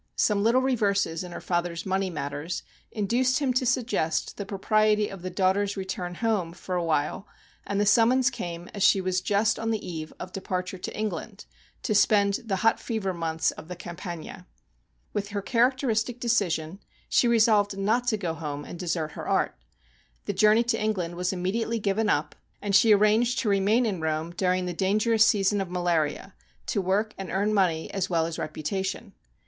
Some little reverses in her father's money matters, induced him to suggest the propriety of the daughter's return home, for awhile, and the summons came as she was just on the eve of departure to Eng land, to spend the hot fever months of the Campagna. With her characteristic de cision she resolved not to go home and desert her art. The journey to England was immediately given up, and she ar ranged to remain in Rome during the dangerous season of malaria, to work and earn money as well as reputation.